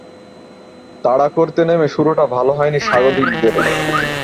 তাড়া করতে নেমে শুরুটা ভালো হয়নি স্বাগতিকদেরও।